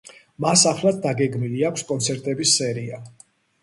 მას ახლაც დაგეგმილი აქვს კონცერტების სერია.